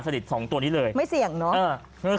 สองตัวนี้เลยไม่เสี่ยงเนอะ